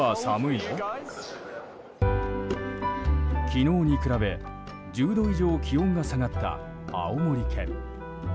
昨日に比べ、１０度以上気温が下がった青森県。